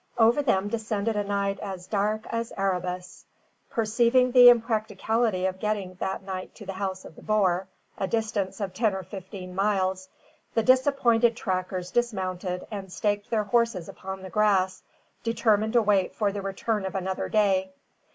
Over them descended a night as dark as Erebus. Perceiving the impracticability of getting that night to the house of the boer, a distance of ten or fifteen miles, the disappointed trackers dismounted, and staked their horses upon the grass, determined to wait for the return of another day.